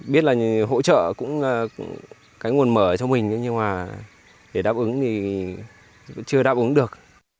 biết là hỗ trợ cũng là cái nguồn mở cho mình nhưng mà để đáp ứng thì chưa đáp ứng được